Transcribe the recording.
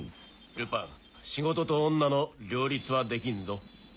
ルパン仕事と女の両立はできんぞ。